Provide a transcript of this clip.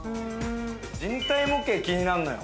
人体模型、気になるのよ。